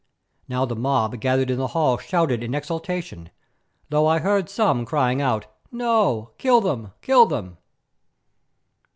Now the mob gathered in the hall shouted in exultation, though I heard some crying out, "No, kill them! Kill them!"